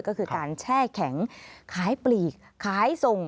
ก็คือการแช่แข็งขายปลีกขายส่ง